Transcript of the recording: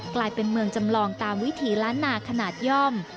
กลายเป็นเมืองจำลองตามวิถีล้านนาขนาดย่อม